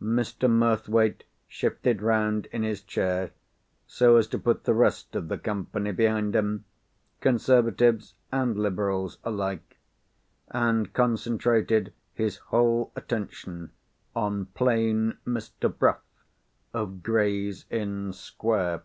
Mr. Murthwaite shifted round in his chair, so as to put the rest of the company behind him (Conservatives and Liberals alike), and concentrated his whole attention on plain Mr. Bruff, of Gray's Inn Square.